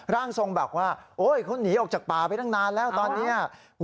ร่างทรงบอกว่าโอ๊ยเขาหนีออกจากป่าไปตั้งนานแล้วตอนนี้